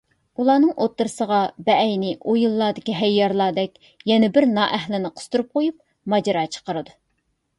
ئۇلارنىڭ ئوتتۇرىسىغا بەئەينى ئويۇنلاردىكى ھەييارلاردەك يەنە بىر نائەھلىنى قىستۇرۇپ قويۇپ ماجىرا چىقىرىدۇ.